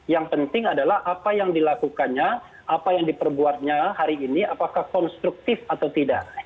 yang penting adalah apa yang dilakukannya apa yang diperbuatnya hari ini apakah konstruktif atau tidak